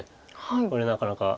これなかなか。